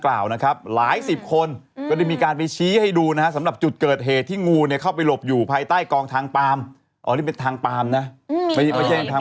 ถ้ายิงด้วยจุดสำคัญก็ตายเหมือนกัน